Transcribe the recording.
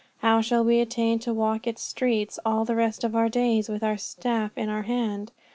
How shall we attain to walk its streets all the rest of our days with our staff in our hand?